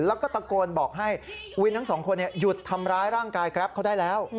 แล้วก็ตะโกนบอกให้วินทั้งสองคนหยุดทำร้ายร่างกายแกรปเขาได้แล้ว